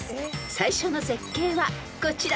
［最初の絶景はこちら］